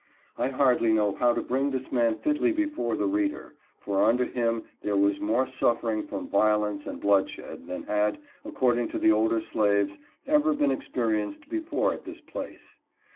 I hardly know how to bring this man fitly before the reader ; for under him there was more suffering from vio lence and bloodshed than had, according to the older slaves, ever been experienced before at this place.